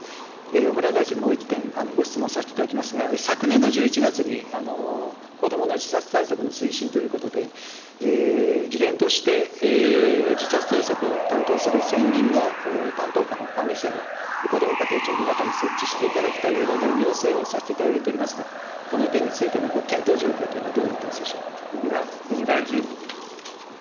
小倉大臣、もう一点、ご質問させていただきますが、昨年の１１月に、子どもの自殺対策の推進ということで、議連として、自殺対策を担当する専任の担当官、管理者を、こども家庭庁の中に設置していただきたい旨の要請をさせていただいておりますが、この点についての検討状況というのはどうな小倉国務大臣。